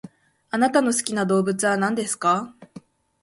あなたの好きな動物は何ですか？